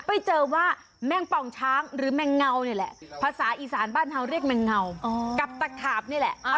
ไปเจอว่าแมงป่องช้างหรือแมงเงานี่แหละภาษาอีสานบ้านเฮาวเรียกแมงเงากับตะขาบนี่แหละ